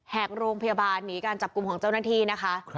หากโรงพยาบาลหนีการจับกลุ่มของเจ้าหน้าที่นะคะ